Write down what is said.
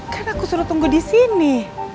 kan aku suruh tunggu disini